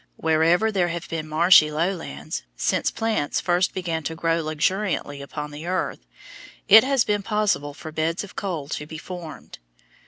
Wherever there have been marshy lowlands, since plants first began to grow luxuriantly upon the earth, it has been possible for beds of coal to be formed.